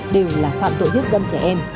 đều là phạm tội hiếp dâm trẻ em